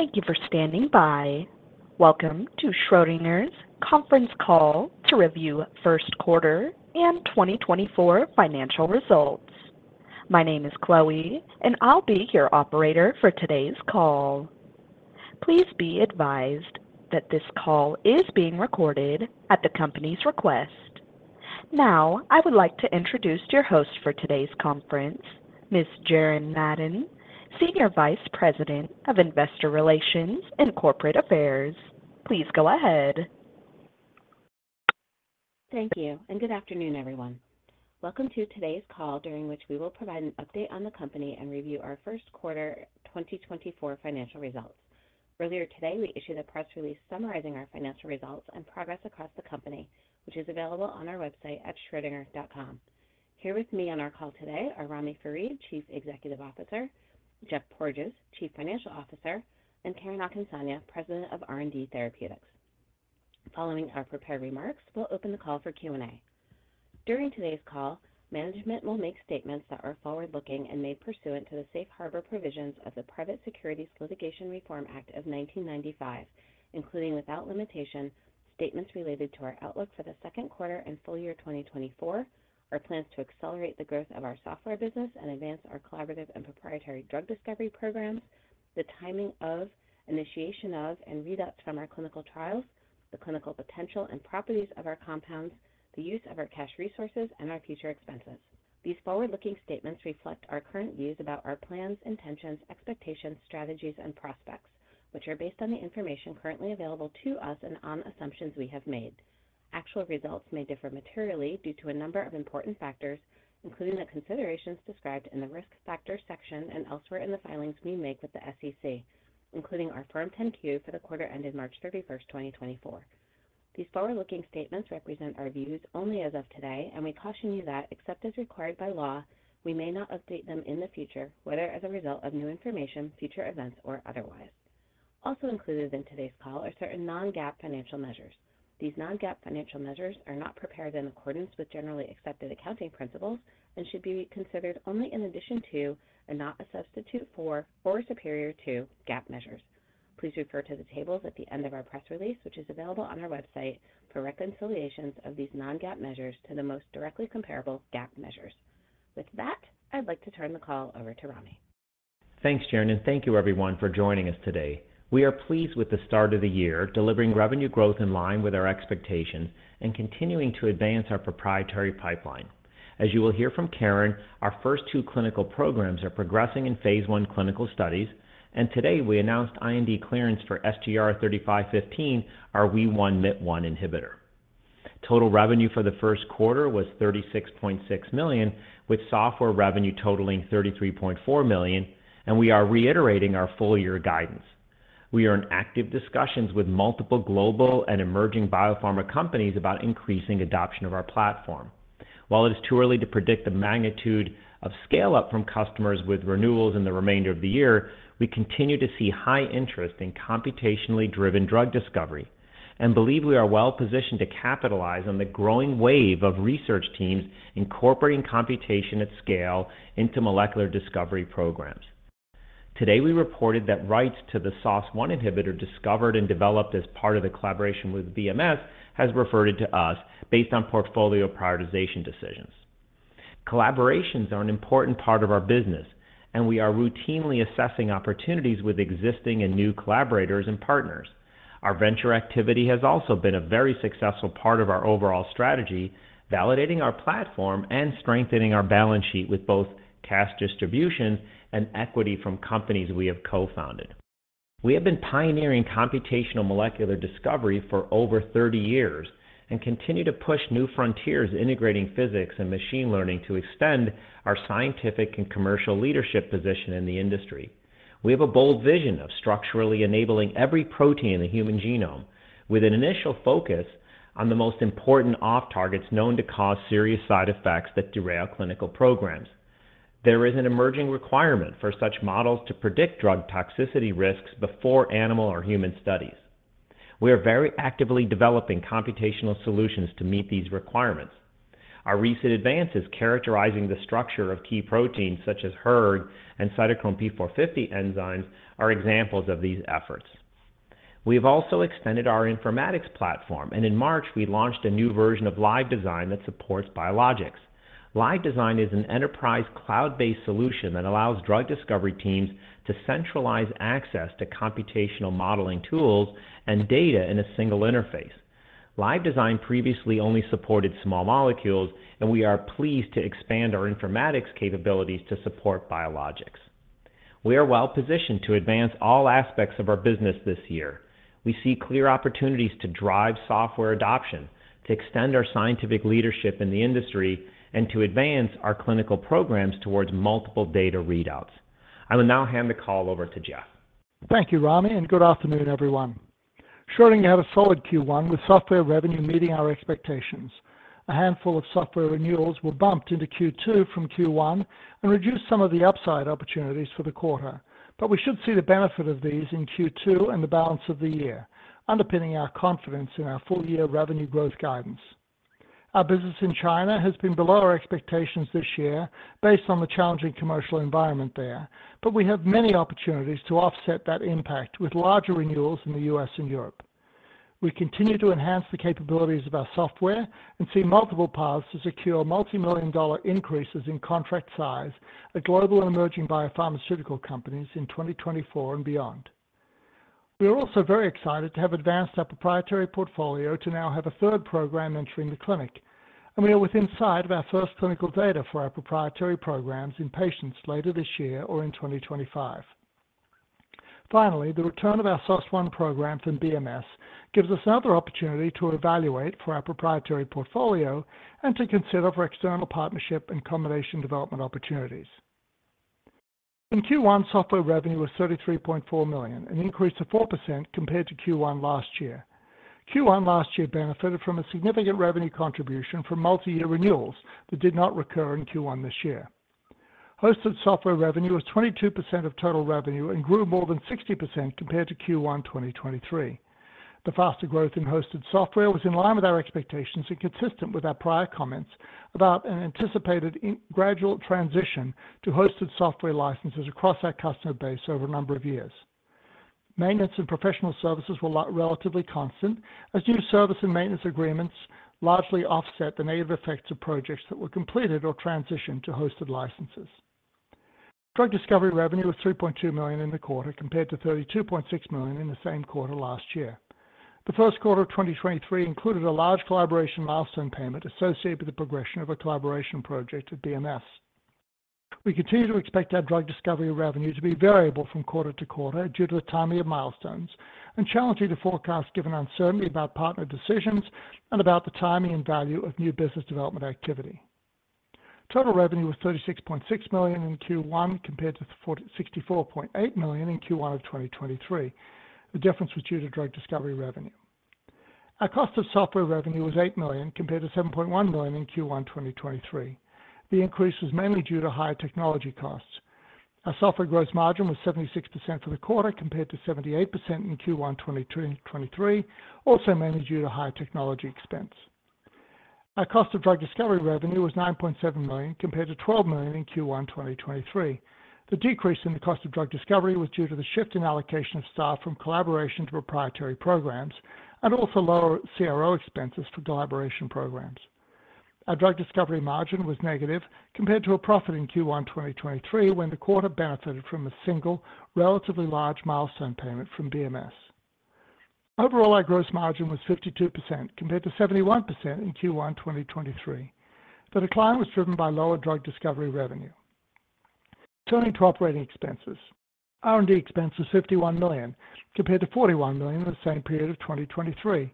Thank you for standing by. Welcome to Schrödinger's conference call to review first quarter and 2024 financial results. My name is Chloe, and I'll be your operator for today's call. Please be advised that this call is being recorded at the company's request. Now I would like to introduce your host for today's conference, Ms. Jaren Madden, Senior Vice President of Investor Relations and Corporate Affairs. Please go ahead. Thank you, and good afternoon, everyone. Welcome to today's call during which we will provide an update on the company and review our first quarter 2024 financial results. Earlier today we issued a press release summarizing our financial results and progress across the company, which is available on our website at schrödinger.com. Here with me on our call today are Ramy Farid, Chief Executive Officer; Geoff Porges, Chief Financial Officer; and Karen Akinsanya, President of R&D Therapeutics. Following our prepared remarks, we'll open the call for Q&A. During today's call, management will make statements that are forward-looking and made pursuant to the Safe Harbor provisions of the Private Securities Litigation Reform Act of 1995, including without limitation statements related to our outlook for the second quarter and full year 2024, our plans to accelerate the growth of our software business and advance our collaborative and proprietary drug discovery programs, the timing of initiation of and readouts from our clinical trials, the clinical potential and properties of our compounds, the use of our cash resources, and our future expenses. These forward-looking statements reflect our current views about our plans, intentions, expectations, strategies, and prospects, which are based on the information currently available to us and on assumptions we have made. Actual results may differ materially due to a number of important factors, including the considerations described in the risk factor section and elsewhere in the filings we make with the SEC, including our Form 10-Q for the quarter ended March 31st, 2024. These forward-looking statements represent our views only as of today, and we caution you that except as required by law, we may not update them in the future, whether as a result of new information, future events, or otherwise. Also included in today's call are certain non-GAAP financial measures. These non-GAAP financial measures are not prepared in accordance with generally accepted accounting principles and should be considered only in addition to and not a substitute for or superior to GAAP measures. Please refer to the tables at the end of our press release, which is available on our website, for reconciliations of these non-GAAP measures to the most directly comparable GAAP measures. With that, I'd like to turn the call over to Ramy. Thanks, Jaren, and thank you, everyone, for joining us today. We are pleased with the start of the year, delivering revenue growth in line with our expectations and continuing to advance our proprietary pipeline. As you will hear from Karen, our first two clinical programs are progressing in phase I clinical studies, and today we announced IND clearance for SGR-3515, our Wee1/Myt1 inhibitor. Total revenue for the first quarter was $36.6 million, with software revenue totaling $33.4 million, and we are reiterating our full-year guidance. We are in active discussions with multiple global and emerging biopharma companies about increasing adoption of our platform. While it is too early to predict the magnitude of scale-up from customers with renewals in the remainder of the year, we continue to see high interest in computationally driven drug discovery and believe we are well positioned to capitalize on the growing wave of research teams incorporating computation at scale into molecular discovery programs. Today we reported that rights to the SOS1 inhibitor discovered and developed as part of the collaboration with BMS have been returned to us based on portfolio prioritization decisions. Collaborations are an important part of our business, and we are routinely assessing opportunities with existing and new collaborators and partners. Our venture activity has also been a very successful part of our overall strategy, validating our platform and strengthening our balance sheet with both cash distributions and equity from companies we have co-founded. We have been pioneering computational molecular discovery for over 30 years and continue to push new frontiers integrating physics and machine learning to extend our scientific and commercial leadership position in the industry. We have a bold vision of structurally enabling every protein in the human genome, with an initial focus on the most important off-targets known to cause serious side effects that derail clinical programs. There is an emerging requirement for such models to predict drug toxicity risks before animal or human studies. We are very actively developing computational solutions to meet these requirements. Our recent advances, characterizing the structure of key proteins such as hERG and Cytochrome P450 enzymes, are examples of these efforts. We have also extended our informatics platform, and in March we launched a new version of LiveDesign that supports biologics. LiveDesign is an enterprise cloud-based solution that allows drug discovery teams to centralize access to computational modeling tools and data in a single interface. LiveDesign previously only supported small molecules, and we are pleased to expand our informatics capabilities to support biologics. We are well positioned to advance all aspects of our business this year. We see clear opportunities to drive software adoption, to extend our scientific leadership in the industry, and to advance our clinical programs towards multiple data readouts. I will now hand the call over to Geoff. Thank you, Ramy, and good afternoon, everyone. Schrödinger had a solid Q1 with software revenue meeting our expectations. A handful of software renewals were bumped into Q2 from Q1 and reduced some of the upside opportunities for the quarter, but we should see the benefit of these in Q2 and the balance of the year, underpinning our confidence in our full-year revenue growth guidance. Our business in China has been below our expectations this year based on the challenging commercial environment there, but we have many opportunities to offset that impact with larger renewals in the US and Europe. We continue to enhance the capabilities of our software and see multiple paths to secure multi-million dollar increases in contract size at global and emerging biopharmaceutical companies in 2024 and beyond. We are also very excited to have advanced our proprietary portfolio to now have a third program entering the clinic, and we are within sight of our first clinical data for our proprietary programs in patients later this year or in 2025. Finally, the return of our SOS1 program from BMS gives us another opportunity to evaluate for our proprietary portfolio and to consider for external partnership and combination development opportunities. In Q1, software revenue was $33.4 million, an increase of 4% compared to Q1 last year. Q1 last year benefited from a significant revenue contribution from multi-year renewals that did not recur in Q1 this year. Hosted software revenue was 22% of total revenue and grew more than 60% compared to Q1 2023. The faster growth in hosted software was in line with our expectations and consistent with our prior comments about an anticipated gradual transition to hosted software licenses across our customer base over a number of years. Maintenance and professional services were relatively constant, as new service and maintenance agreements largely offset the negative effects of projects that were completed or transitioned to hosted licenses. Drug discovery revenue was $3.2 million in the quarter compared to $32.6 million in the same quarter last year. The first quarter of 2023 included a large collaboration milestone payment associated with the progression of a collaboration project at BMS. We continue to expect our drug discovery revenue to be variable from quarter to quarter due to the timing of milestones and challenging to forecast given uncertainty about partner decisions and about the timing and value of new business development activity. Total revenue was $36.6 million in Q1 compared to $64.8 million in Q1 of 2023. The difference was due to drug discovery revenue. Our cost of software revenue was $8 million compared to $7.1 million in Q1 2023. The increase was mainly due to higher technology costs. Our software gross margin was 76% for the quarter compared to 78% in Q1 2023, also mainly due to higher technology expense. Our cost of drug discovery revenue was $9.7 million compared to $12 million in Q1 2023. The decrease in the cost of drug discovery was due to the shift in allocation of staff from collaboration to proprietary programs and also lower CRO expenses for collaboration programs. Our drug discovery margin was negative compared to a profit in Q1 2023 when the quarter benefited from a single, relatively large milestone payment from BMS. Overall, our gross margin was 52% compared to 71% in Q1 2023. The decline was driven by lower drug discovery revenue. Turning to operating expenses, R&D expense was $51 million compared to $41 million in the same period of 2023.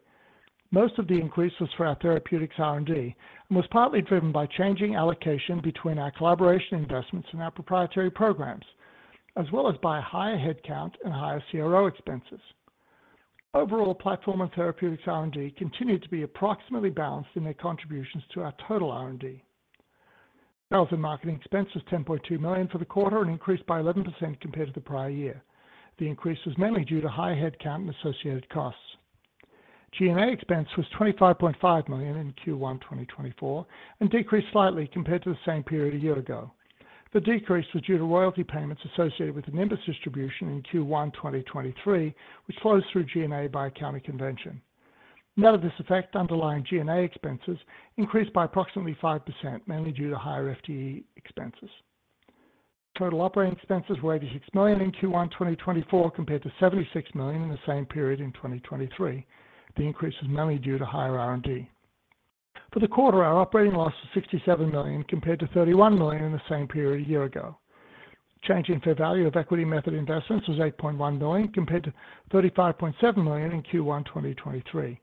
Most of the increase was for our therapeutics R&D and was partly driven by changing allocation between our collaboration investments and our proprietary programs, as well as by a higher headcount and higher CRO expenses. Overall, platform and therapeutics R&D continue to be approximately balanced in their contributions to our total R&D. Sales and marketing expense was $10.2 million for the quarter and increased by 11% compared to the prior year. The increase was mainly due to high headcount and associated costs. G&A expense was $25.5 million in Q1 2024 and decreased slightly compared to the same period a year ago. The decrease was due to royalty payments associated with the Nimbus distribution in Q1 2023, which flows through G&A by accounting convention. None of this affected underlying G&A expenses, increased by approximately 5% mainly due to higher FTE expenses. Total operating expenses were $86 million in Q1 2024 compared to $76 million in the same period in 2023. The increase was mainly due to higher R&D. For the quarter, our operating loss was $67 million compared to $31 million in the same period a year ago. Change in fair value of equity method investments was $8.1 million compared to $35.7 million in Q1 2023.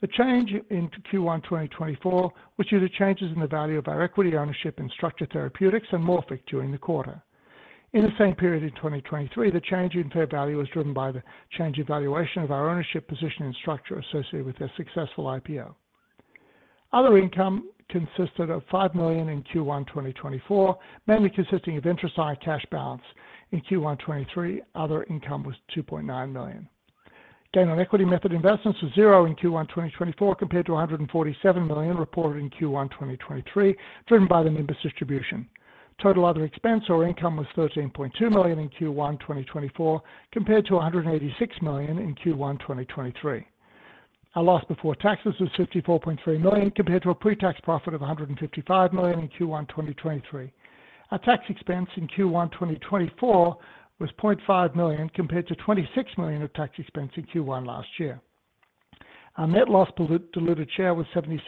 The change in Q1 2024 was due to changes in the value of our equity ownership in Structure Therapeutics and Morphic Therapeutic during the quarter. In the same period in 2023, the change in fair value was driven by the change in valuation of our ownership position in Structure Therapeutics associated with their successful IPO. Other income consisted of $5 million in Q1 2024, mainly consisting of interest on our cash balance. In Q1 2023, other income was $2.9 million. Gain on equity method investments was $0 in Q1 2024 compared to $147 million reported in Q1 2023, driven by the Nimbus Therapeutics distribution. Total other expense or income was $13.2 million in Q1 2024 compared to $186 million in Q1 2023. Our loss before taxes was $54.3 million compared to a pre-tax profit of $155 million in Q1 2023. Our tax expense in Q1 2024 was $0.5 million compared to $26 million of tax expense in Q1 last year. Our net loss diluted share was $0.76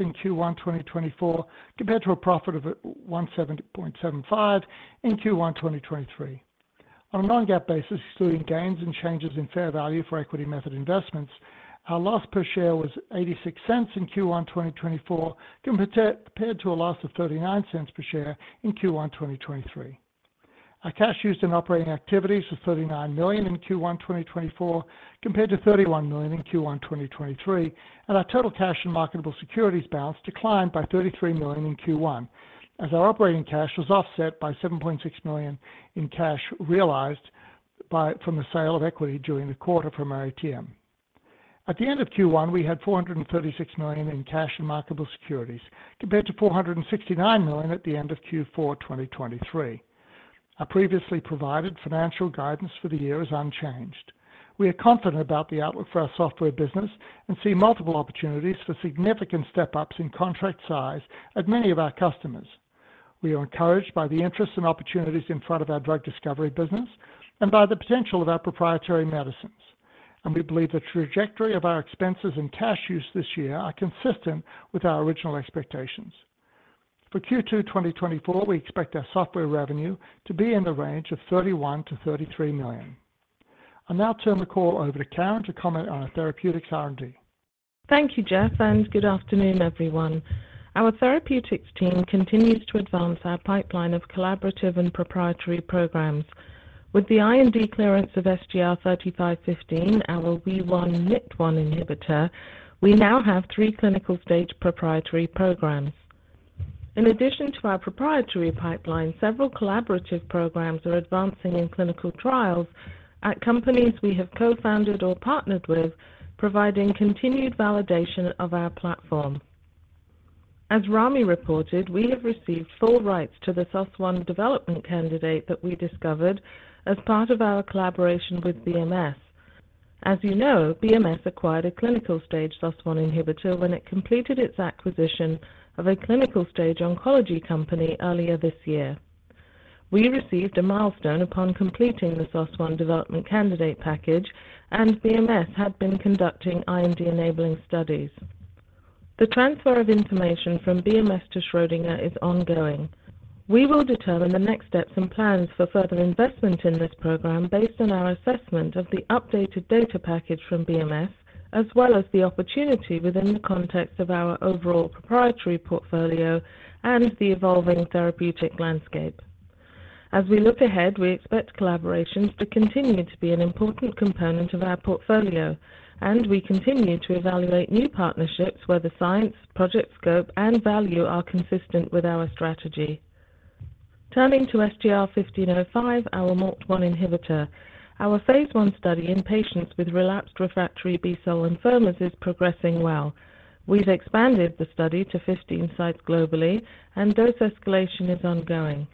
in Q1 2024 compared to a profit of $17.75 in Q1 2023. On a non-GAAP basis, excluding gains and changes in fair value for equity method investments, our loss per share was $0.86 in Q1 2024 compared to a loss of $0.39 per share in Q1 2023. Our cash used in operating activities was $39 million in Q1 2024 compared to $31 million in Q1 2023, and our total cash and marketable securities balance declined by $33 million in Q1, as our operating cash was offset by $7.6 million in cash realized from the sale of equity during the quarter from our ATM. At the end of Q1, we had $436 million in cash and marketable securities compared to $469 million at the end of Q4 2023. Our previously provided financial guidance for the year is unchanged. We are confident about the outlook for our software business and see multiple opportunities for significant step-ups in contract size at many of our customers. We are encouraged by the interest and opportunities in front of our drug discovery business and by the potential of our proprietary medicines, and we believe the trajectory of our expenses and cash use this year are consistent with our original expectations. For Q2 2024, we expect our software revenue to be in the range of $31 million-$33 million. I'll now turn the call over to Karen to comment on our therapeutics R&D. Thank you, Geoff, and good afternoon, everyone. Our therapeutics team continues to advance our pipeline of collaborative and proprietary programs. With the IND clearance of SGR-3515, our Wee1/Myt1 inhibitor, we now have three clinical-stage proprietary programs. In addition to our proprietary pipeline, several collaborative programs are advancing in clinical trials at companies we have co-founded or partnered with, providing continued validation of our platform. As Ramy reported, we have received full rights to the SOS1 development candidate that we discovered as part of our collaboration with BMS. As you know, BMS acquired a clinical-stage SOS1 inhibitor when it completed its acquisition of a clinical-stage oncology company earlier this year. We received a milestone upon completing the SOS1 development candidate package, and BMS had been conducting IND-enabling studies. The transfer of information from BMS to Schrödinger is ongoing. We will determine the next steps and plans for further investment in this program based on our assessment of the updated data package from BMS, as well as the opportunity within the context of our overall proprietary portfolio and the evolving therapeutic landscape. As we look ahead, we expect collaborations to continue to be an important component of our portfolio, and we continue to evaluate new partnerships where the science, project scope, and value are consistent with our strategy. Turning to SGR-1505, our MALT1 inhibitor, our phase I study in patients with relapsed refractory B-cell lymphomas is progressing well. We've expanded the study to 15 sites globally, and dose escalation is ongoing.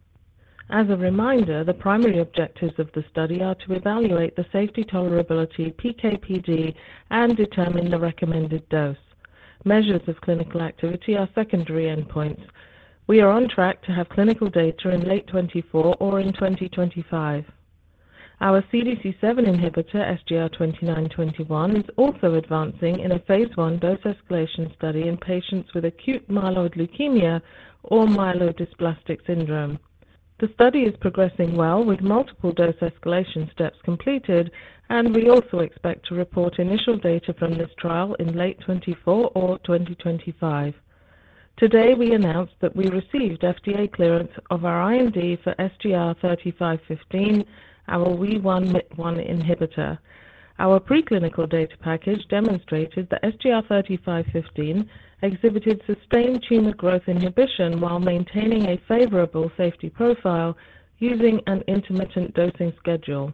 As a reminder, the primary objectives of the study are to evaluate the safety, tolerability, PK/PD, and determine the recommended dose. Measures of clinical activity are secondary endpoints. We are on track to have clinical data in late 2024 or in 2025. Our CDC7 inhibitor, SGR-2921, is also advancing in a phase I dose escalation study in patients with acute myeloid leukemia or myelodysplastic syndrome. The study is progressing well with multiple dose escalation steps completed, and we also expect to report initial data from this trial in late 2024 or 2025. Today, we announced that we received FDA clearance of our IND for SGR-3515, our Wee1/Myt1 inhibitor. Our preclinical data package demonstrated that SGR-3515 exhibited sustained tumor growth inhibition while maintaining a favorable safety profile using an intermittent dosing schedule.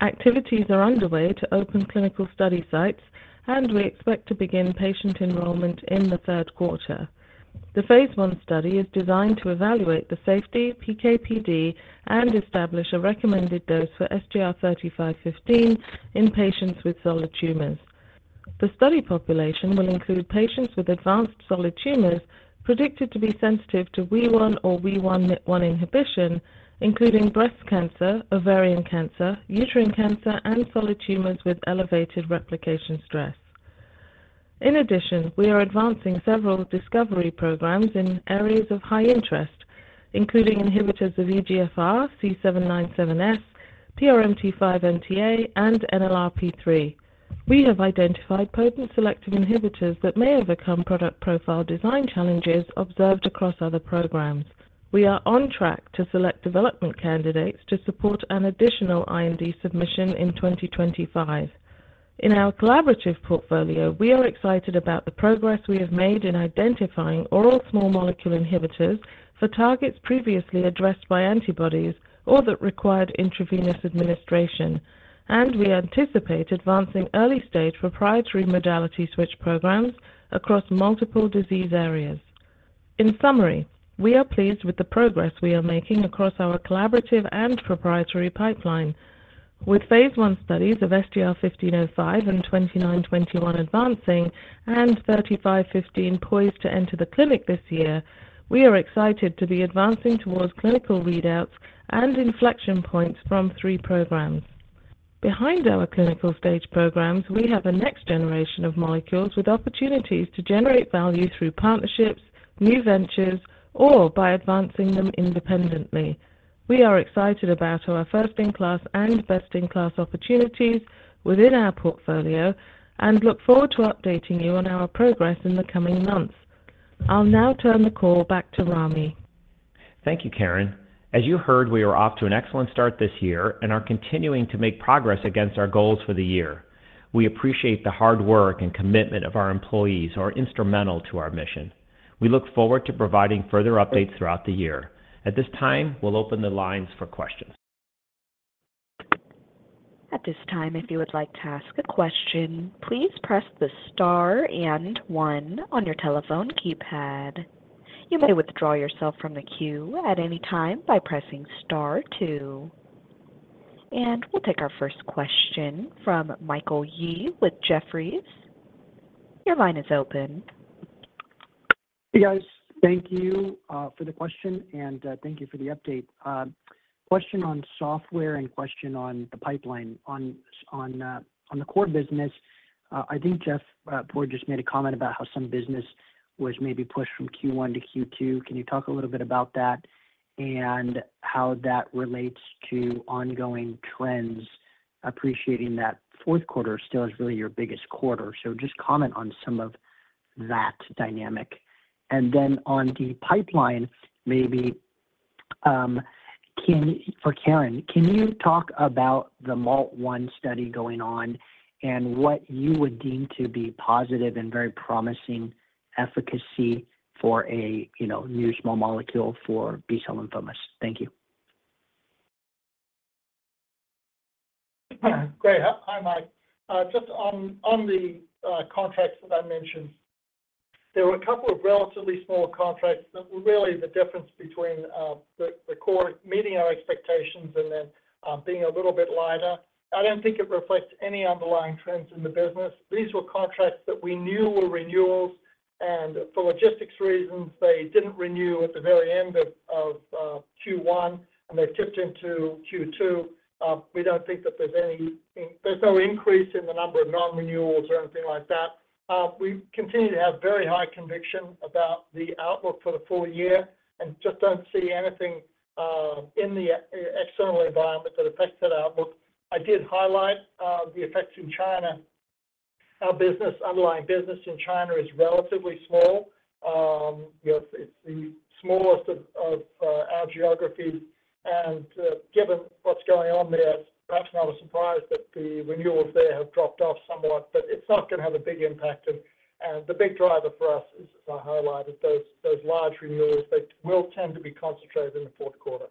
Activities are underway to open clinical study sites, and we expect to begin patient enrollment in the third quarter. The phase one study is designed to evaluate the safety, PK/PD, and establish a recommended dose for SGR-3515 in patients with solid tumors. The study population will include patients with advanced solid tumors predicted to be sensitive to Wee1 or Myt1 inhibition, including breast cancer, ovarian cancer, uterine cancer, and solid tumors with elevated replication stress. In addition, we are advancing several discovery programs in areas of high interest, including inhibitors of EGFR C797S, PRMT5-MTA, and NLRP3. We have identified potent selective inhibitors that may overcome product profile design challenges observed across other programs. We are on track to select development candidates to support an additional IND submission in 2025. In our collaborative portfolio, we are excited about the progress we have made in identifying oral small molecule inhibitors for targets previously addressed by antibodies or that required intravenous administration, and we anticipate advancing early-stage proprietary modality switch programs across multiple disease areas. In summary, we are pleased with the progress we are making across our collaborative and proprietary pipeline. With phase I studies of SGR-1505 and SGR-2921 advancing and SGR-3515 poised to enter the clinic this year, we are excited to be advancing towards clinical readouts and inflection points from three programs. Behind our clinical-stage programs, we have a next generation of molecules with opportunities to generate value through partnerships, new ventures, or by advancing them independently. We are excited about our first-in-class and best-in-class opportunities within our portfolio and look forward to updating you on our progress in the coming months. I'll now turn the call back to Ramy. Thank you, Karen. As you heard, we are off to an excellent start this year and are continuing to make progress against our goals for the year. We appreciate the hard work and commitment of our employees who are instrumental to our mission. We look forward to providing further updates throughout the year. At this time, we'll open the lines for questions. At this time, if you would like to ask a question, please press the star and one on your telephone keypad. You may withdraw yourself from the queue at any time by pressing star two. We'll take our first question from Michael Yee with Jefferies. Your line is open. Hey, guys. Thank you for the question, and thank you for the update. Question on software and question on the pipeline. On the core business, I think Geoff Porges made a comment about how some business was maybe pushed from Q1 to Q2. Can you talk a little bit about that and how that relates to ongoing trends? Appreciating that fourth quarter still is really your biggest quarter. So just comment on some of that dynamic. And then on the pipeline, maybe for Karen, can you talk about the MALT1 study going on and what you would deem to be positive and very promising efficacy for a new small molecule for B-cell lymphomas? Thank you. Great. Hi, Mike. Just on the contracts that I mentioned, there were a couple of relatively small contracts that were really the difference between the core meeting our expectations and then being a little bit lighter. I don't think it reflects any underlying trends in the business. These were contracts that we knew were renewals, and for logistics reasons, they didn't renew at the very end of Q1, and they've tipped into Q2. We don't think that there's any. There's no increase in the number of non-renewals or anything like that. We continue to have very high conviction about the outlook for the full year and just don't see anything in the external environment that affects that outlook. I did highlight the effects in China. Our underlying business in China is relatively small. It's the smallest of our geographies, and given what's going on there, it's perhaps not a surprise that the renewals there have dropped off somewhat, but it's not going to have a big impact. The big driver for us, as I highlighted, those large renewals, they will tend to be concentrated in the fourth quarter.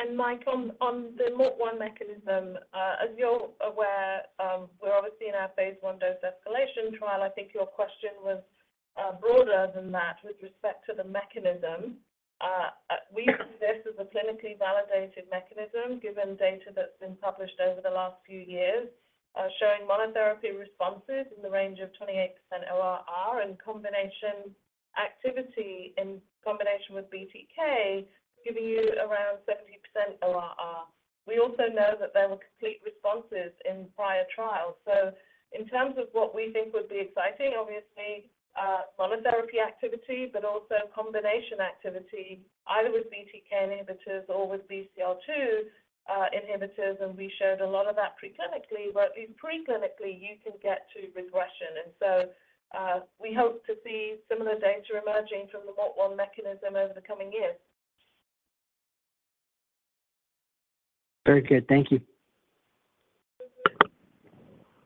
And Mike, on the MALT1 mechanism, as you're aware, we're obviously in our phase I dose escalation trial. I think your question was broader than that with respect to the mechanism. We see this as a clinically validated mechanism given data that's been published over the last few years showing monotherapy responses in the range of 28% ORR and combination activity in combination with BTK giving you around 70% ORR. We also know that there were complete responses in prior trials. So in terms of what we think would be exciting, obviously, monotherapy activity, but also combination activity, either with BTK inhibitors or with BCL-2 inhibitors, and we showed a lot of that preclinically, where at least preclinically, you can get to regression. And so we hope to see similar data emerging from the MALT1 mechanism over the coming years. Very good. Thank you.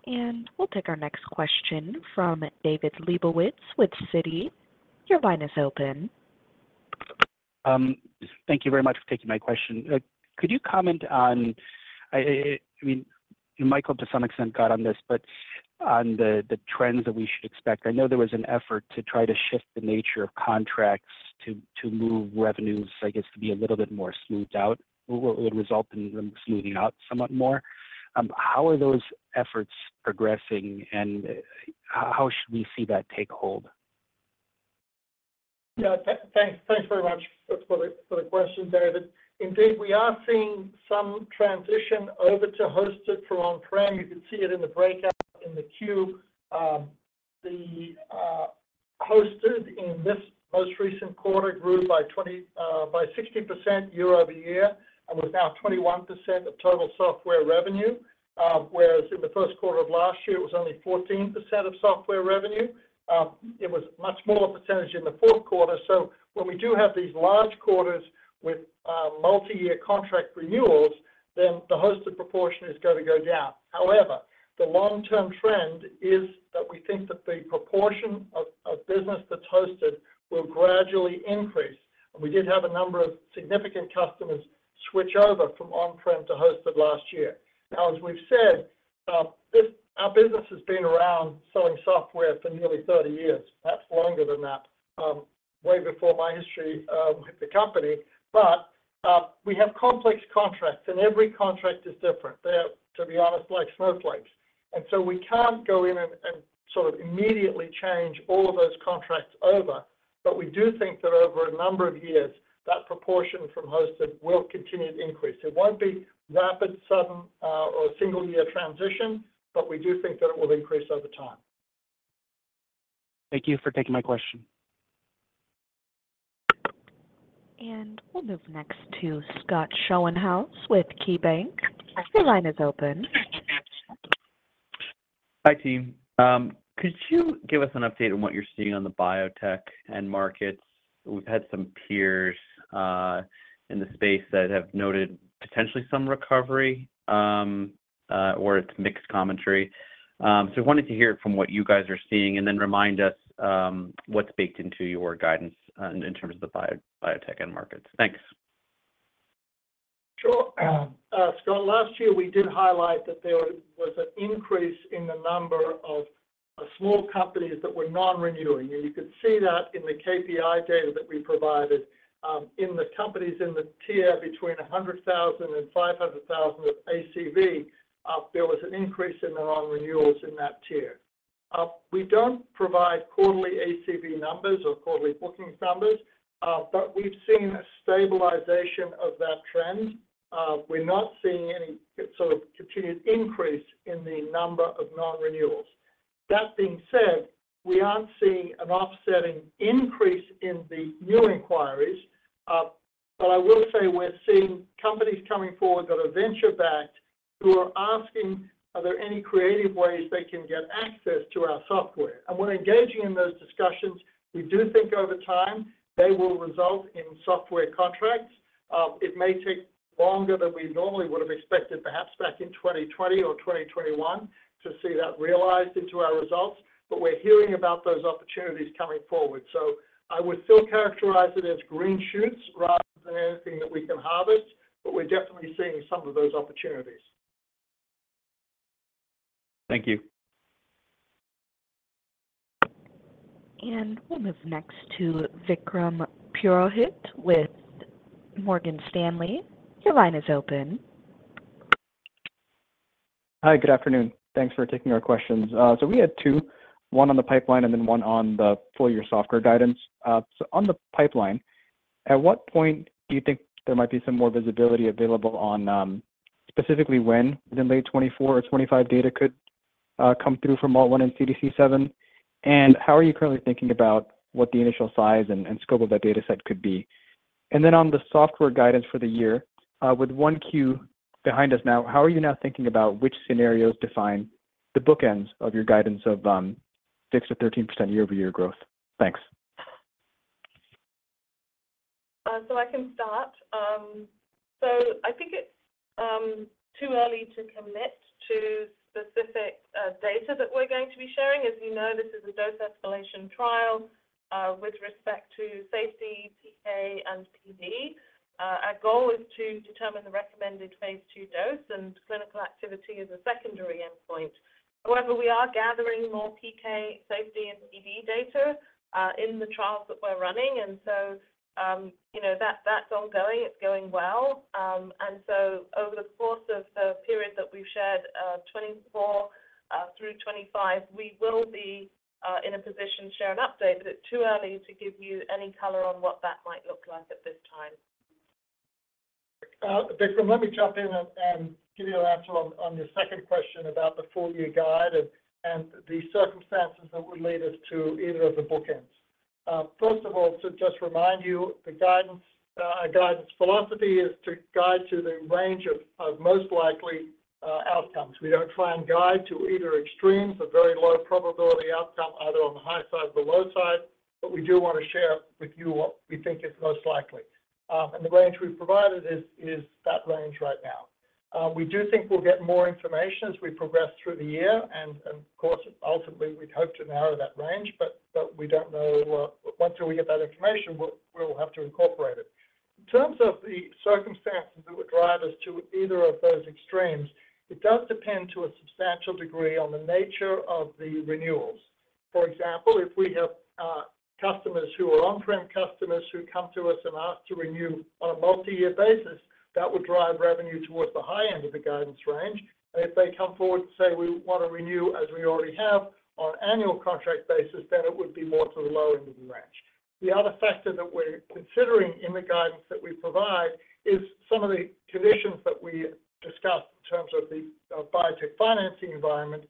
We'll take our next question from David Lebowitz with Citi. Your line is open. Thank you very much for taking my question. Could you comment on—I mean, might to some extent got on this, but on the trends that we should expect? I know there was an effort to try to shift the nature of contracts to move revenues, I guess, to be a little bit more smoothed out, what would result in them smoothing out somewhat more. How are those efforts progressing, and how should we see that take hold? Thanks very much for the question, David. Indeed, we are seeing some transition over to Hosted from on-prem. You can see it in the breakout in the Q. The Hosted in this most recent quarter grew by 60% year-over-year and was now 21% of total software revenue, whereas in the first quarter of last year, it was only 14% of software revenue. It was much more a percentage in the fourth quarter. So when we do have these large quarters with multi-year contract renewals, then the Hosted proportion is going to go down. However, the long-term trend is that we think that the proportion of business that's Hosted will gradually increase. And we did have a number of significant customers switch over from on-prem to Hosted last year. Now, as we've said, our business has been around selling software for nearly 30 years, perhaps longer than that, way before my history with the company. But we have complex contracts, and every contract is different. They are, to be honest, like snowflakes. And so we can't go in and sort of immediately change all of those contracts over, but we do think that over a number of years, that proportion from hosted will continue to increase. It won't be rapid, sudden, or single-year transition, but we do think that it will increase over time. Thank you for taking my question. We'll move next to Scott Schoenhaus with KeyBanc. Your line is open. Hi, team. Could you give us an update on what you're seeing on the biotech end markets? We've had some peers in the space that have noted potentially some recovery or it's mixed commentary. So we wanted to hear it from what you guys are seeing and then remind us what's baked into your guidance in terms of the biotech end markets. Thanks. Sure. Scott, last year, we did highlight that there was an increase in the number of small companies that were non-renewing. And you could see that in the KPI data that we provided. In the companies in the tier between $100,000 and $500,000 of ACV, there was an increase in the non-renewals in that tier. We don't provide quarterly ACV numbers or quarterly bookings numbers, but we've seen a stabilization of that trend. We're not seeing any sort of continued increase in the number of non-renewals. That being said, we aren't seeing an offsetting increase in the new inquiries. But I will say we're seeing companies coming forward that are venture-backed who are asking, "Are there any creative ways they can get access to our software?" And we're engaging in those discussions. We do think over time, they will result in software contracts. It may take longer than we normally would have expected, perhaps back in 2020 or 2021, to see that realized into our results. But we're hearing about those opportunities coming forward. So I would still characterize it as green shoots rather than anything that we can harvest, but we're definitely seeing some of those opportunities. Thank you. We'll move next to Vikram Purohit with Morgan Stanley. Your line is open. Hi, good afternoon. Thanks for taking our questions. So we had two, one on the pipeline and then one on the full-year software guidance. So on the pipeline, at what point do you think there might be some more visibility available on specifically when within late 2024 or 2025 data could come through from MALT1 and CDC7? And how are you currently thinking about what the initial size and scope of that dataset could be? And then on the software guidance for the year, with 1Q behind us now, how are you now thinking about which scenarios define the bookends of your guidance of 6%-13% year-over-year growth? Thanks. So I can start. So I think it's too early to commit to specific data that we're going to be sharing. As you know, this is a dose escalation trial with respect to safety, PK, and PD. Our goal is to determine the recommended phase two dose, and clinical activity is a secondary endpoint. However, we are gathering more PK, safety, and PD data in the trials that we're running. And so that's ongoing. It's going well. And so over the course of the period that we've shared, 2024 through 2025, we will be in a position to share an update, but it's too early to give you any color on what that might look like at this time. Vikram, let me jump in and give you an answer on your second question about the full-year guide and the circumstances that would lead us to either of the bookends. First of all, to just remind you, our guidance philosophy is to guide to the range of most likely outcomes. We don't try and guide to either extremes, a very low-probability outcome either on the high side or the low side, but we do want to share with you what we think is most likely. The range we've provided is that range right now. We do think we'll get more information as we progress through the year. Of course, ultimately, we'd hope to narrow that range, but we don't know. Once we get that information, we'll have to incorporate it. In terms of the circumstances that would drive us to either of those extremes, it does depend to a substantial degree on the nature of the renewals. For example, if we have customers who are on-prem customers who come to us and ask to renew on a multi-year basis, that would drive revenue towards the high end of the guidance range. If they come forward and say, "We want to renew as we already have on an annual contract basis," then it would be more to the low end of the range. The other factor that we're considering in the guidance that we provide is some of the conditions that we discussed in terms of the biotech financing environment.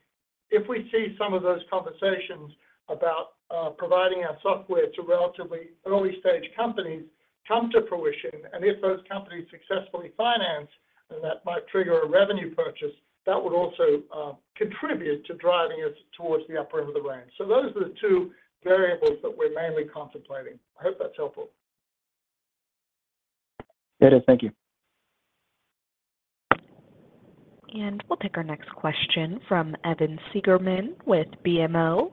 If we see some of those conversations about providing our software to relatively early-stage companies come to fruition, and if those companies successfully finance, then that might trigger a revenue purchase. That would also contribute to driving us towards the upper end of the range. So those are the two variables that we're mainly contemplating. I hope that's helpful. It is. Thank you. We'll take our next question from Evan Seegerman with BMO.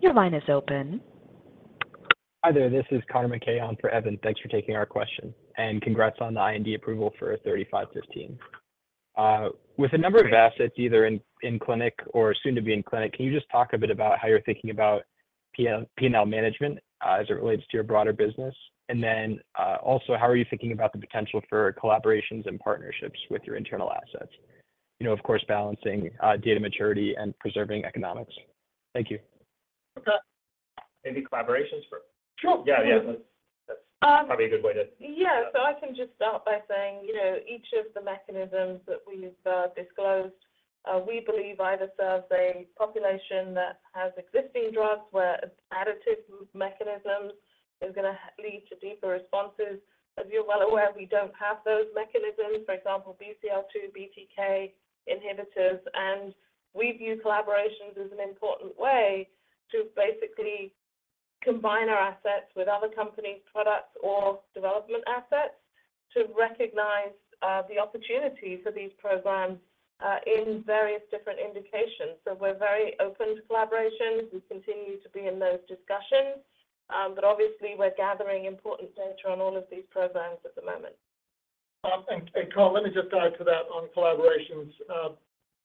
Your line is open. Hi there. This is Kieran Mahony for Evan. Thanks for taking our question, and congrats on the IND approval for SGR-3515. With a number of assets either in clinic or soon to be in clinic, can you just talk a bit about how you're thinking about P&L management as it relates to your broader business? And then also, how are you thinking about the potential for collaborations and partnerships with your internal assets, of course, balancing data maturity and preserving economics? Thank you. Maybe collaborations for? Sure. Yeah, yeah. That's probably a good way to. Yeah. So I can just start by saying each of the mechanisms that we've disclosed, we believe either serves a population that has existing drugs where additive mechanisms is going to lead to deeper responses. As you're well aware, we don't have those mechanisms, for example, BCL-2, BTK inhibitors. And we view collaborations as an important way to basically combine our assets with other companies' products or development assets to recognize the opportunity for these programs in various different indications. So we're very open to collaborations. We continue to be in those discussions. But obviously, we're gathering important data on all of these programs at the moment. Carl, let me just add to that on collaborations.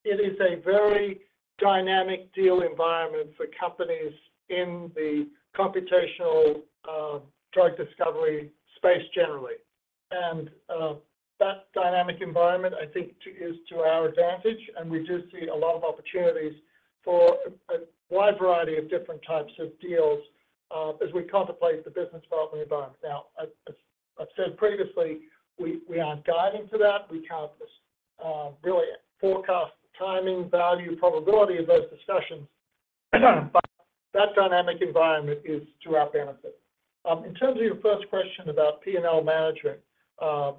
It is a very dynamic deal environment for companies in the computational drug discovery space generally. That dynamic environment, I think, is to our advantage. We do see a lot of opportunities for a wide variety of different types of deals as we contemplate the business development environment. Now, I've said previously, we aren't guiding to that. We can't really forecast timing, value, probability of those discussions. But that dynamic environment is to our benefit. In terms of your first question about P&L management, I'm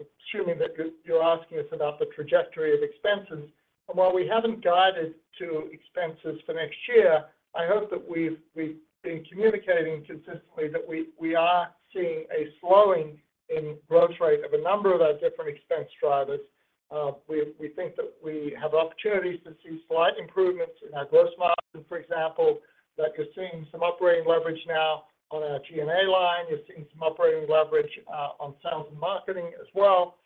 assuming that you're asking us about the trajectory of expenses. While we haven't guided to expenses for next year, I hope that we've been communicating consistently that we are seeing a slowing in growth rate of a number of our different expense drivers. We think that we have opportunities to see slight improvements in our gross margin, for example, that you're seeing some operating leverage now on our G&A line. You're seeing some operating leverage on sales and marketing as well.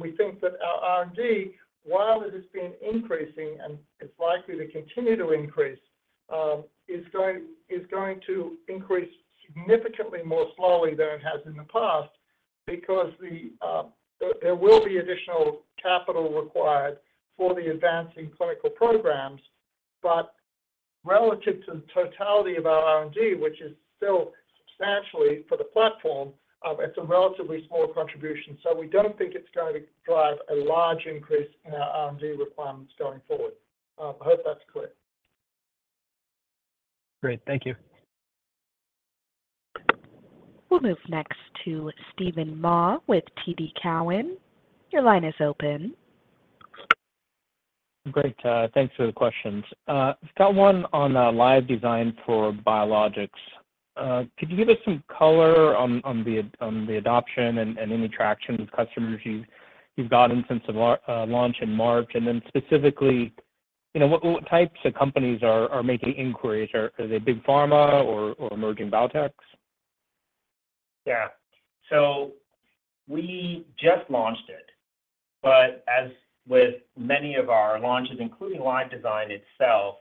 We think that our R&D, while it has been increasing and it's likely to continue to increase, is going to increase significantly more slowly than it has in the past because there will be additional capital required for the advancing clinical programs. Relative to the totality of our R&D, which is still substantially for the platform, it's a relatively small contribution. We don't think it's going to drive a large increase in our R&D requirements going forward. I hope that's clear. Great. Thank you. We'll move next to Steven Mah with TD Cowen. Your line is open. Great. Thanks for the questions. On LiveDesign for biologics. Could you give us some color on the adoption and any traction with customers you've gotten since launch in March? And then specifically, what types of companies are making inquiries? Are they big pharma or emerging biotechs? Yeah. So we just launched it. But as with many of our launches, including LiveDesign itself,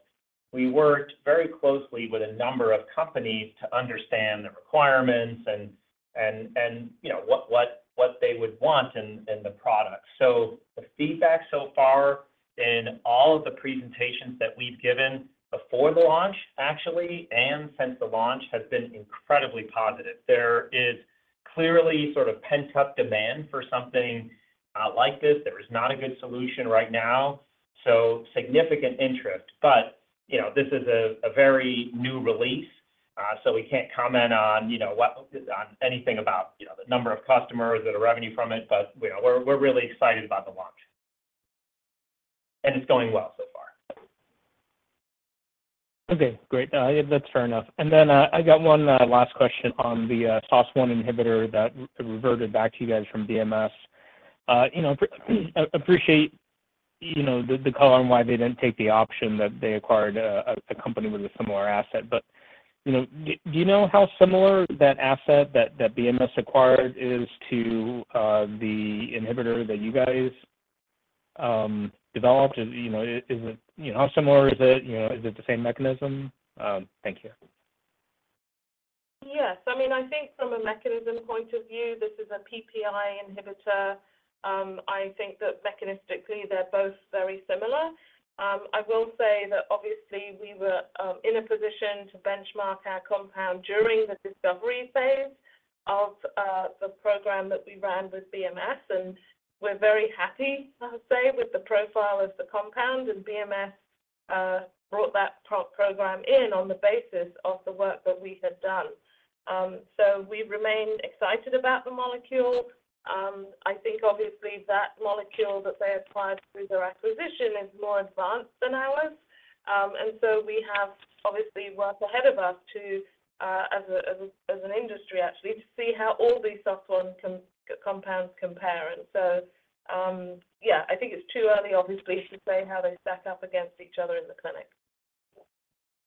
we worked very closely with a number of companies to understand the requirements and what they would want in the product. So the feedback so far in all of the presentations that we've given before the launch, actually, and since the launch, has been incredibly positive. There is clearly sort of pent-up demand for something like this. There is not a good solution right now. So significant interest. But this is a very new release, so we can't comment on anything about the number of customers that are revenue from it. But we're really excited about the launch. And it's going well so far. Okay. Great. That's fair enough. And then I got one last question on the SOS1 inhibitor that reverted back to you guys from BMS. I appreciate the color on why they didn't take the option that they acquired a company with a similar asset. But do you know how similar that asset that BMS acquired is to the inhibitor that you guys developed? Is it how similar is it? Is it the same mechanism? Thank you. Yes. I mean, I think from a mechanism point of view, this is a PPI inhibitor. I think that mechanistically, they're both very similar. I will say that obviously, we were in a position to benchmark our compound during the discovery phase of the program that we ran with BMS. And we're very happy, I would say, with the profile of the compound. And BMS brought that program in on the basis of the work that we had done. So we remain excited about the molecule. I think, obviously, that molecule that they acquired through their acquisition is more advanced than ours. And so we have, obviously, work ahead of us as an industry, actually, to see how all these SOS1 compounds compare. And so yeah, I think it's too early, obviously, to say how they stack up against each other in the clinic.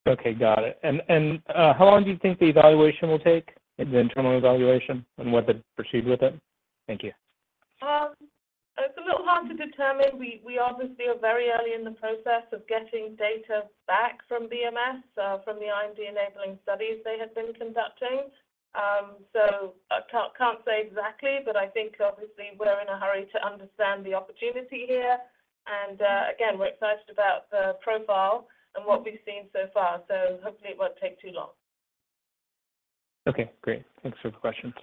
Okay. Got it. How long do you think the evaluation will take, the internal evaluation, and what to proceed with it? Thank you. It's a little hard to determine. We obviously are very early in the process of getting data back from BMS, from the IND-enabling studies they had been conducting. So I can't say exactly, but I think, obviously, we're in a hurry to understand the opportunity here. And again, we're excited about the profile and what we've seen so far. So hopefully, it won't take too long. Okay. Great. Thanks for the questions.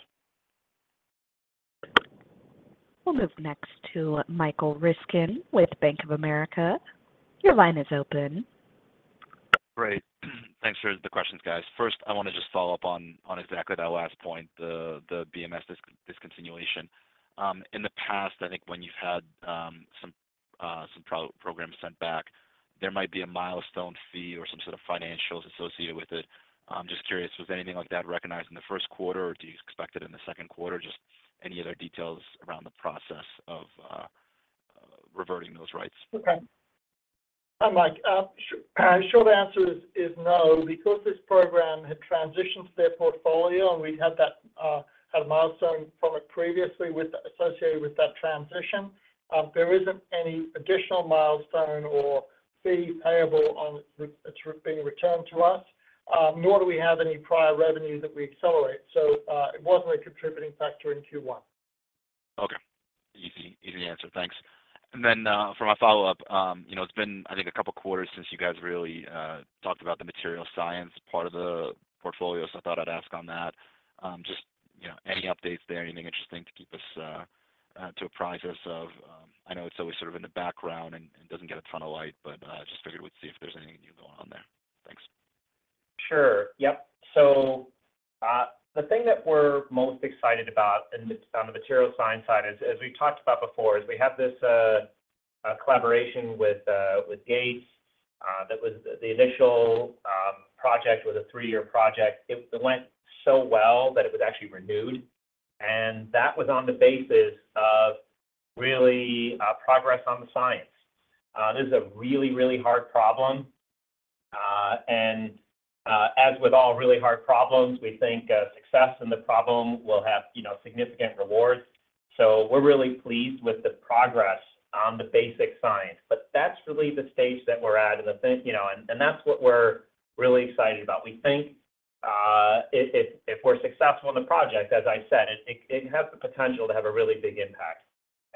We'll move next to Michael Ryskin with Bank of America. Your line is open. Great. Thanks for the questions, guys. First, I want to just follow up on exactly that last point, the BMS discontinuation. In the past, I think when you've had some programs sent back, there might be a milestone fee or some sort of financials associated with it. I'm just curious, was anything like that recognized in the first quarter, or do you expect it in the second quarter? Just any other details around the process of reverting those rights. Okay. Mike, sure, the answer is no because this program had transitioned to their portfolio, and we'd had that milestone from it previously associated with that transition. There isn't any additional milestone or fee payable on it being returned to us, nor do we have any prior revenue that we accelerate. So it wasn't a contributing factor in Q1. Okay. Easy answer. Thanks. And then for my follow-up, it's been, I think, a couple of quarters since you guys really talked about the material science part of the portfolio, so I thought I'd ask on that. Just any updates there, anything interesting to keep us apprised of? I know it's always sort of in the background and doesn't get a ton of light, but just figured we'd see if there's anything new going on there. Thanks. Sure. Yep. So the thing that we're most excited about on the materials science side, as we've talked about before, is we have this collaboration with Gates that was the initial project was a three year project. It went so well that it was actually renewed. And that was on the basis of really progress on the science. This is a really, really hard problem. And as with all really hard problems, we think success in the problem will have significant rewards. So we're really pleased with the progress on the basic science. But that's really the stage that we're at. And that's what we're really excited about. We think if we're successful in the project, as I said, it has the potential to have a really big impact.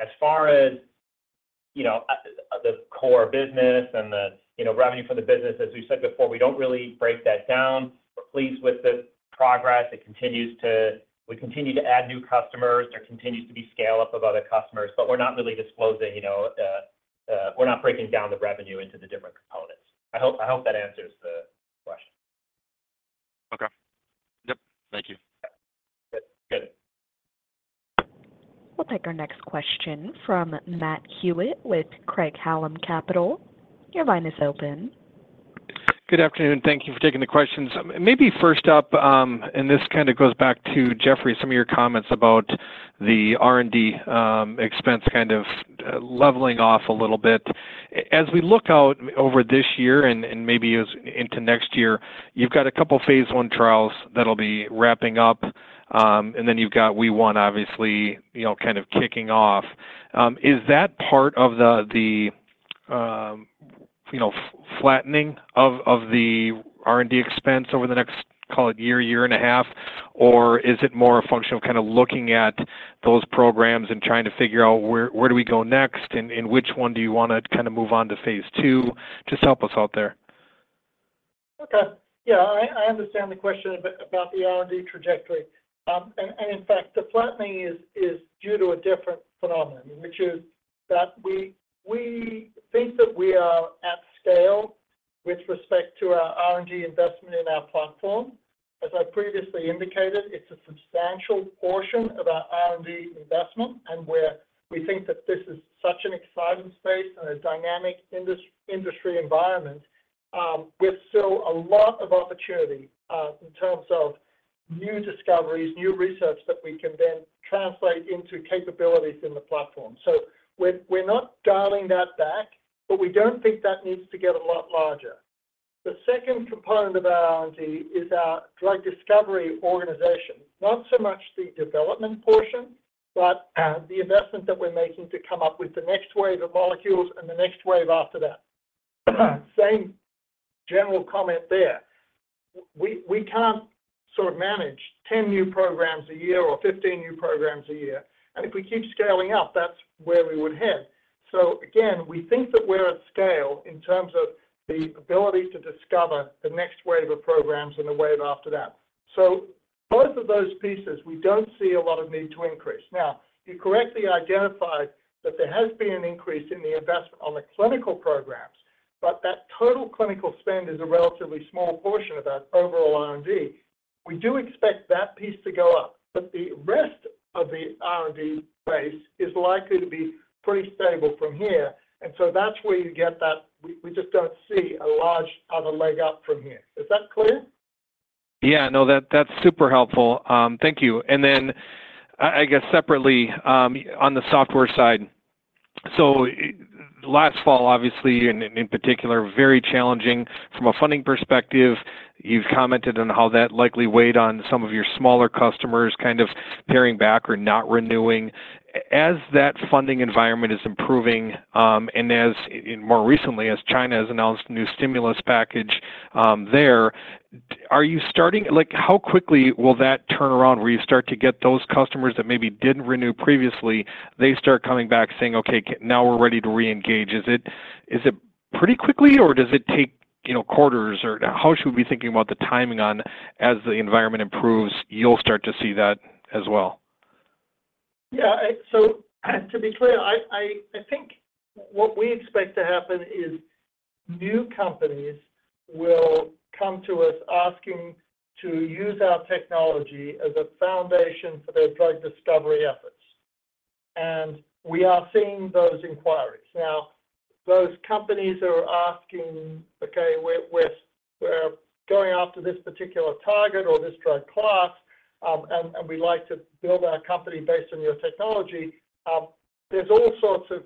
As far as the core business and the revenue for the business, as we said before, we don't really break that down. We're pleased with the progress. We continue to add new customers. There continues to be scale-up of other customers. But we're not really disclosing. We're not breaking down the revenue into the different components. I hope that answers the question. Okay. Yep. Thank you. Good. We'll take our next question from Matt Hewitt with Craig-Hallum Capital. Your line is open. Good afternoon. Thank you for taking the questions. Maybe first up, and this kind of goes back to Geoff, some of your comments about the R&D expense kind of leveling off a little bit. As we look out over this year and maybe into next year, you've got a couple of phase 1 trials that'll be wrapping up. And then you've got Wee1, obviously, kind of kicking off. Is that part of the flattening of the R&D expense over the next, call it, year, year and a half? Or is it more a function of kind of looking at those programs and trying to figure out where do we go next? And which one do you want to kind of move on to phase II? Just help us out there. Okay. Yeah. I understand the question about the R&D trajectory. In fact, the flattening is due to a different phenomenon, which is that we think that we are at scale with respect to our R&D investment in our platform. As I previously indicated, it's a substantial portion of our R&D investment. We think that this is such an exciting space and a dynamic industry environment with still a lot of opportunity in terms of new discoveries, new research that we can then translate into capabilities in the platform. So we're not dialing that back, but we don't think that needs to get a lot larger. The second component of our R&D is our drug discovery organization, not so much the development portion, but the investment that we're making to come up with the next wave of molecules and the next wave after that. Same general comment there. We can't sort of manage 10 new programs a year or 15 new programs a year. If we keep scaling up, that's where we would head. Again, we think that we're at scale in terms of the ability to discover the next wave of programs and the wave after that. Both of those pieces, we don't see a lot of need to increase. Now, you correctly identified that there has been an increase in the investment on the clinical programs, but that total clinical spend is a relatively small portion of that overall R&D. We do expect that piece to go up. But the rest of the R&D base is likely to be pretty stable from here. And so that's where you get that we just don't see a large other leg up from here. Is that clear? Yeah. No, that's super helpful. Thank you. And then I guess separately on the software side, so last fall, obviously, and in particular, very challenging from a funding perspective. You've commented on how that likely weighed on some of your smaller customers kind of paring back or not renewing. As that funding environment is improving and more recently, as China has announced a new stimulus package there, are you starting how quickly will that turn around where you start to get those customers that maybe didn't renew previously, they start coming back saying, "Okay, now we're ready to reengage"? Is it pretty quickly, or does it take quarters? Or how should we be thinking about the timing on as the environment improves, you'll start to see that as well? Yeah. So to be clear, I think what we expect to happen is new companies will come to us asking to use our technology as a foundation for their drug discovery efforts. And we are seeing those inquiries. Now, those companies are asking, "Okay, we're going after this particular target or this drug class, and we'd like to build our company based on your technology." There's all sorts of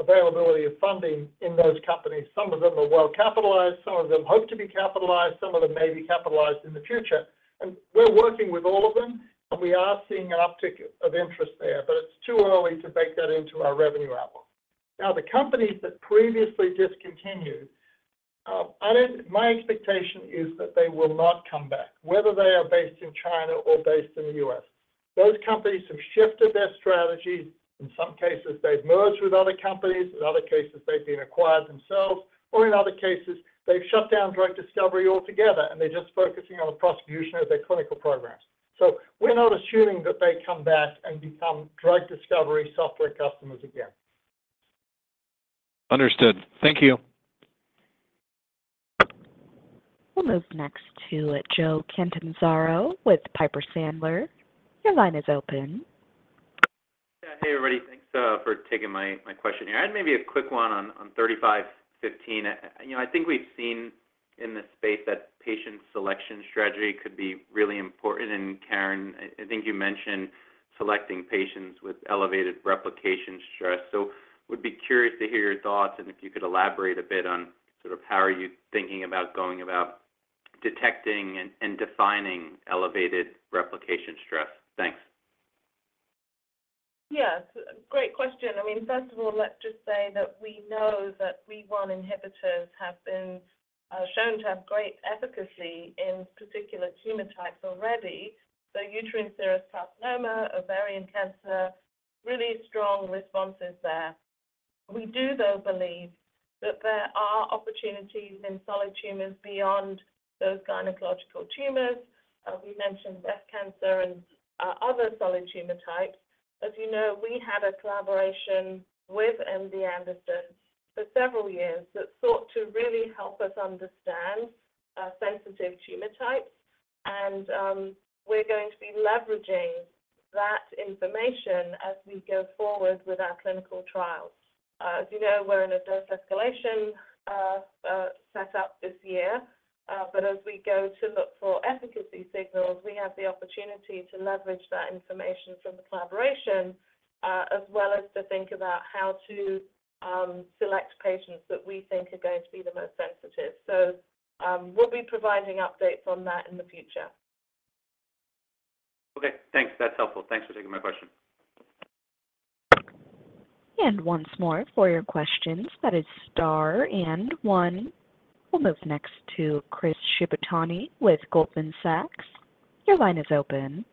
availability of funding in those companies. Some of them are well capitalized. Some of them hope to be capitalized. Some of them may be capitalized in the future. And we're working with all of them, and we are seeing an uptick of interest there. But it's too early to bake that into our revenue outlook. Now, the companies that previously discontinued, my expectation is that they will not come back, whether they are based in China or based in the U.S. Those companies have shifted their strategies. In some cases, they've merged with other companies. In other cases, they've been acquired themselves. Or in other cases, they've shut down drug discovery altogether, and they're just focusing on the prosecution of their clinical programs. So we're not assuming that they come back and become drug discovery software customers again. Understood. Thank you. We'll move next to Joe Catanzaro with Piper Sandler. Your line is open. Yeah. Hey, everybody. Thanks for taking my question here. I had maybe a quick one on 3515. I think we've seen in this space that patient selection strategy could be really important. Karen, I think you mentioned selecting patients with elevated replication stress. Would be curious to hear your thoughts and if you could elaborate a bit on sort of how are you thinking about going about detecting and defining elevated replication stress. Thanks. Yes. Great question. I mean, first of all, let's just say that we know that Wee1 inhibitors have been shown to have great efficacy in particular genotypes already. So uterine serous carcinoma, ovarian cancer, really strong responses there. We do, though, believe that there are opportunities in solid tumors beyond those gynecological tumors. We mentioned breast cancer and other solid tumor types. As you know, we had a collaboration with MD Anderson for several years that sought to really help us understand sensitive tumor types. And we're going to be leveraging that information as we go forward with our clinical trials. As you know, we're in a dose escalation setup this year. But as we go to look for efficacy signals, we have the opportunity to leverage that information from the collaboration as well as to think about how to select patients that we think are going to be the most sensitive. So we'll be providing updates on that in the future. Okay. Thanks. That's helpful. Thanks for taking my question. Once more for your questions, that is star and one. We'll move next to Chris Shibutani with Goldman Sachs. Your line is open.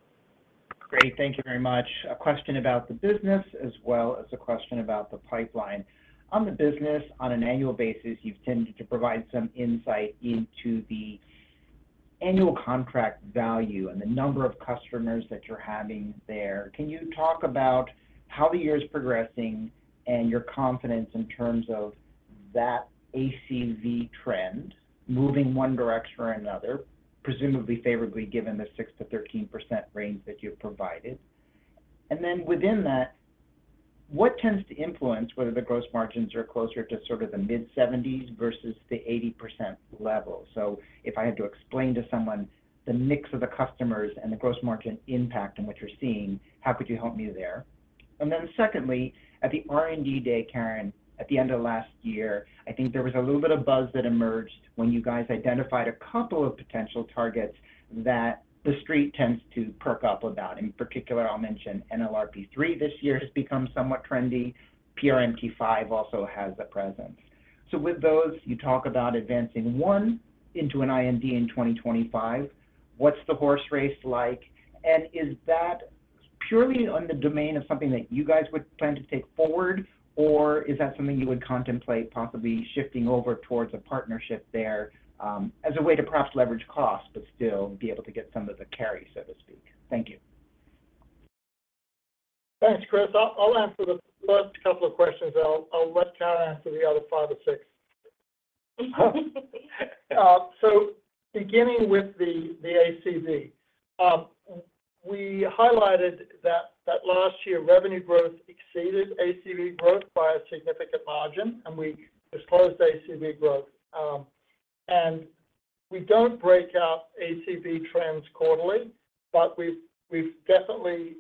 Great. Thank you very much. A question about the business as well as a question about the pipeline. On the business, on an annual basis, you've tended to provide some insight into the annual contract value and the number of customers that you're having there. Can you talk about how the year's progressing and your confidence in terms of that ACV trend moving one direction or another, presumably favorably given the 6%-13% range that you've provided? And then within that, what tends to influence whether the gross margins are closer to sort of the mid-70s versus the 80% level? So if I had to explain to someone the mix of the customers and the gross margin impact in what you're seeing, how could you help me there? Then secondly, at the R&D Day, Karen, at the end of last year, I think there was a little bit of buzz that emerged when you guys identified a couple of potential targets that the street tends to perk up about. In particular, I'll mention NLRP3; this year has become somewhat trendy. PRMT5 also has a presence. So with those, you talk about advancing one into an IND in 2025. What's the horse race like? And is that purely on the domain of something that you guys would plan to take forward, or is that something you would contemplate possibly shifting over towards a partnership there as a way to perhaps leverage costs but still be able to get some of the carry, so to speak? Thank you. Thanks, Chris. I'll answer the first couple of questions, and I'll let Karen answer the other five or six. So beginning with the ACV, we highlighted that last year, revenue growth exceeded ACV growth by a significant margin, and we disclosed ACV growth. And we don't break out ACV trends quarterly, but we've definitely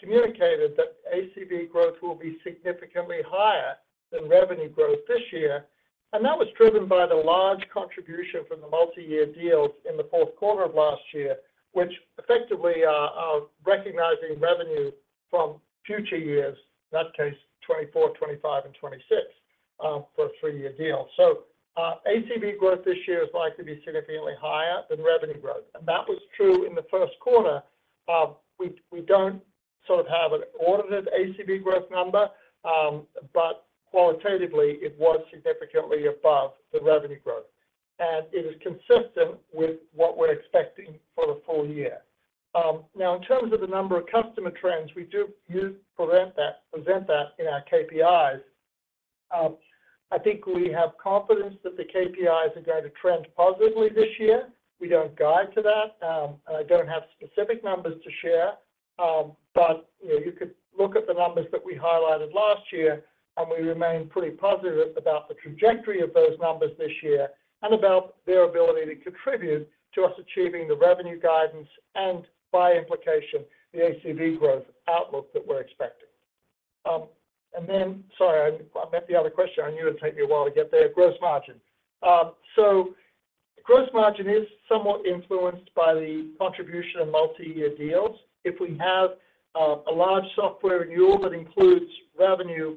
communicated that ACV growth will be significantly higher than revenue growth this year. And that was driven by the large contribution from the multi-year deals in the fourth quarter of last year, which effectively are recognizing revenue from future years, in that case, 2024, 2025, and 2026 for a three-year deal. So ACV growth this year is likely to be significantly higher than revenue growth. And that was true in the first quarter. We don't sort of have an audited ACV growth number, but qualitatively, it was significantly above the revenue growth. It is consistent with what we're expecting for the full year. Now, in terms of the number of customer trends, we do present that in our KPIs. I think we have confidence that the KPIs are going to trend positively this year. We don't guide to that, and I don't have specific numbers to share. But you could look at the numbers that we highlighted last year, and we remain pretty positive about the trajectory of those numbers this year and about their ability to contribute to us achieving the revenue guidance and, by implication, the ACV growth outlook that we're expecting. And then, sorry, I missed the other question. I knew it would take me a while to get there. Gross margin. So gross margin is somewhat influenced by the contribution of multi-year deals. If we have a large software renewal that includes revenue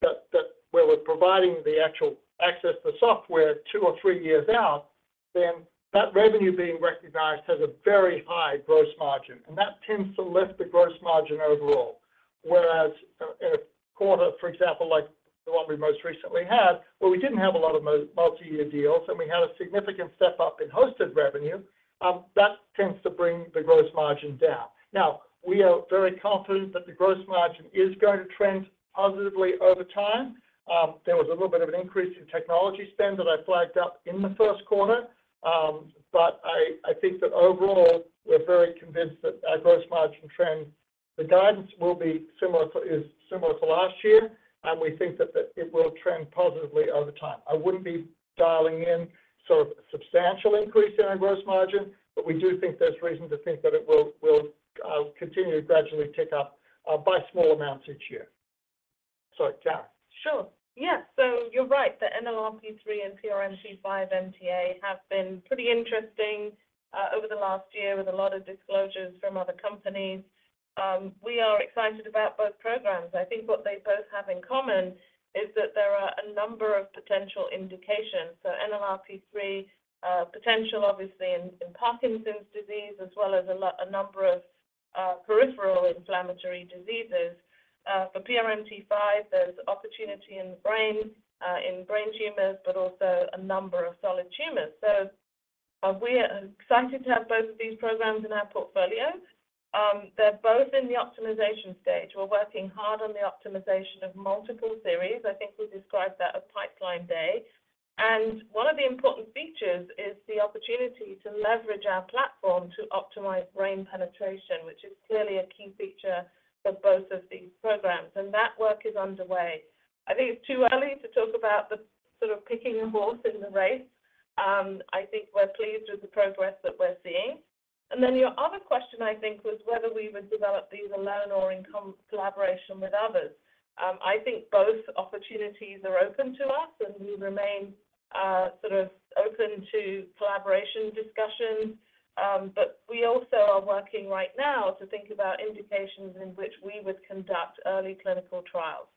where we're providing the actual access to the software two or three years out, then that revenue being recognized has a very high gross margin. That tends to lift the gross margin overall. Whereas in a quarter, for example, like the one we most recently had, where we didn't have a lot of multi-year deals and we had a significant step up in hosted revenue, that tends to bring the gross margin down. Now, we are very confident that the gross margin is going to trend positively over time. There was a little bit of an increase in technology spend that I flagged up in the first quarter. But I think that overall, we're very convinced that our gross margin trend, the guidance, will be similar to last year, and we think that it will trend positively over time. I wouldn't be dialing in sort of a substantial increase in our gross margin, but we do think there's reason to think that it will continue to gradually tick up by small amounts each year. Sorry, Karen. Sure. Yes. So you're right. The NLRP3 and PRMT5 MTA have been pretty interesting over the last year with a lot of disclosures from other companies. We are excited about both programs. I think what they both have in common is that there are a number of potential indications. So NLRP3, potential obviously in Parkinson's disease as well as a number of peripheral inflammatory diseases. For PRMT5, there's opportunity in the brain, in brain tumors, but also a number of solid tumors. So we are excited to have both of these programs in our portfolio. They're both in the optimization stage. We're working hard on the optimization of multiple series. I think we described that as Pipeline Day. And one of the important features is the opportunity to leverage our platform to optimize brain penetration, which is clearly a key feature for both of these programs. That work is underway. I think it's too early to talk about the sort of picking a horse in the race. I think we're pleased with the progress that we're seeing. Then your other question, I think, was whether we would develop these alone or in collaboration with others. I think both opportunities are open to us, and we remain sort of open to collaboration discussions. But we also are working right now to think about indications in which we would conduct early clinical trials.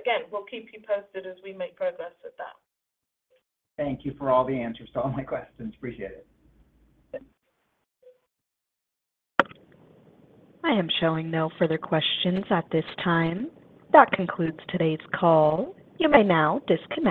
Again, we'll keep you posted as we make progress with that. Thank you for all the answers to all my questions. Appreciate it. I am showing no further questions at this time. That concludes today's call. You may now disconnect.